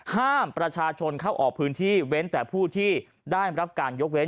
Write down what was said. ห้ามประชาชนเข้าออกพื้นที่เว้นแต่ผู้ที่ได้รับการยกเว้น